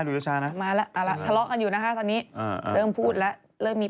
ทะเลาะกันอยู่ตอนนี้